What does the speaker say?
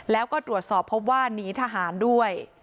แล้วก็ตรวจสอบพบว่าหนีทหารด้วย